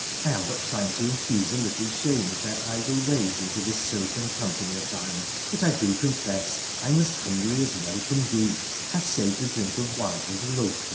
I am but trying to infuse a little shame of their idle ways into this silken company of thine. But I do confess I am as hungry as well can be — hast saved a drink of wine and a loaf for me